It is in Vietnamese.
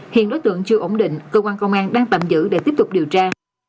hiện đối tượng chưa ổn định cơ quan công an đang tạm giữ để tiếp tục điều tra